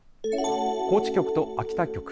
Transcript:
高知局と秋田局。